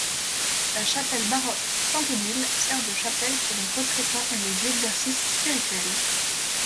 La chapelle baroque Sainte-Odile sert de chapelle pour les retraitants et les exercices spirituels.